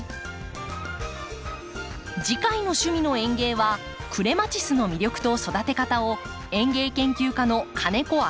次回の「趣味の園芸」はクレマチスの魅力と育て方を園芸研究家の金子明人さんとお伝えします。